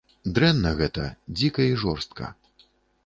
Дрэнна гэта, дзіка і жорстка.